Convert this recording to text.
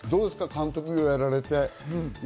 監督業やられて。